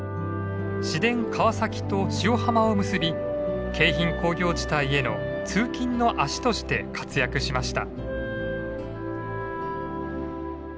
市電川崎と塩浜を結び京浜工業地帯への通勤の足として活躍しました。